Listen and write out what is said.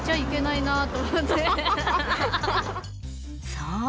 そう。